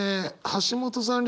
橋本さん